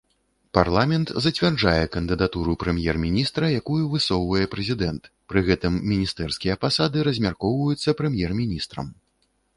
Парламент зацвярджае кандыдатуру прэм'ер-міністра, якую высоўвае прэзідэнт, пры гэтым міністэрскія пасады размяркоўваюцца прэм'ер-міністрам.